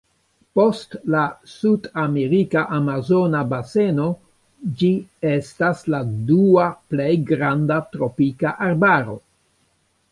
Post la sudamerika amazona baseno ĝi estas la dua plej granda tropika arbaro.